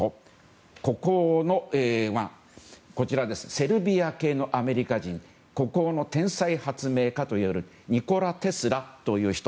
セルビア系のアメリカ人孤高の天才発明家といわれるニコラ・テスラという人。